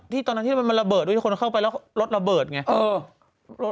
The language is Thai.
ที่ตอนนั้นที่มันมันระเบิดอุ้ยทุกคนเข้าไปแล้วรถระเบิดไงเออ